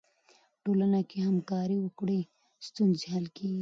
ټولنه که همکاري وکړي، ستونزې حل کیږي.